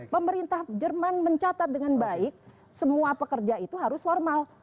pemerintah jerman mencatat dengan baik semua pekerja itu harus formal